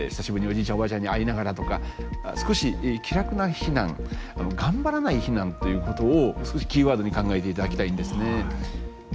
おばあちゃんに会いながらとか少し気楽な避難頑張らない避難ということをキーワードに考えていただきたいんですね。